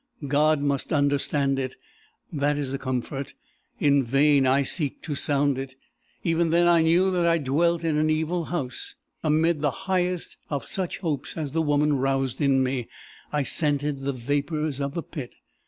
God must understand it! that is a comfort: in vain I seek to sound it. Even then I knew that I dwelt in an evil house. Amid the highest of such hopes as the woman roused in me, I scented the vapours of the pit.